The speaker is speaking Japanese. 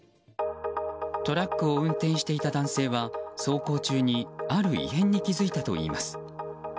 トラックを運転していた男性は走行中にある異変に気付いたといいます。